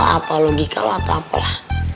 atau logika lo atau apalah